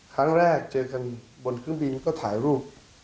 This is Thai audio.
ครั้งแรกเจอกันบนเครื่องบินก็ถ่ายรูป